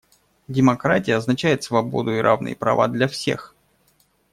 Демократия означает свободу и равные права для всех.